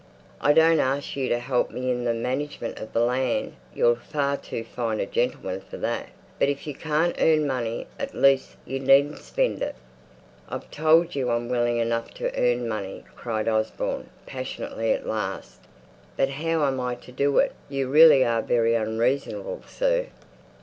I don't ask you to help me in the management of the land you're far too fine a gentleman for that; but if you can't earn money, at least you needn't spend it." "I've told you I'm willing enough to earn money," cried Osborne, passionately at last. "But how am I to do it? You really are very unreasonable, sir."